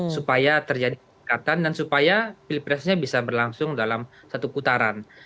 supaya terjadi peningkatan dan supaya pilpresnya bisa berlangsung dalam satu putaran